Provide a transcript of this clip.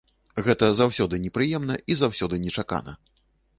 Гэта заўсёды непрыемна і заўсёды нечакана.